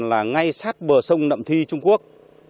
là ngay sát bờ sông nậm thi trung quốc